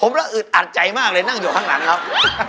ผมละอึดอัดใจมากเลยนั่งอยู่ข้างหลังครับ